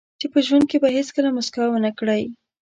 چې په ژوند کې به هیڅکله موسکا ونه کړئ.